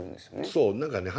そう何かね